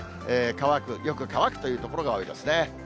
乾く、よく乾くという所が多いですね。